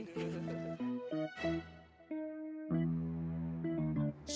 sok kamu yang